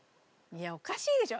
いやおかしいでしょ？